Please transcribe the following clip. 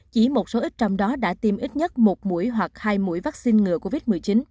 chỉ một số ít trong đó đã tiêm ít nhất một mũi hoặc hai mũi vaccine ngừa covid một mươi chín